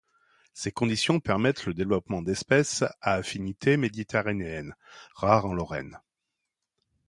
Ces conditions permettent le développement d’espèces à affinité méditerranéenne, rares en Lorraine.